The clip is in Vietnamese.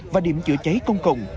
và điểm chữa cháy công cộng